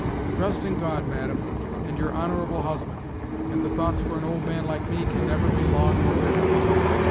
Trust in God, madam, and your honorable husband, and the thoughts for an old man like me can never be long nor bitter.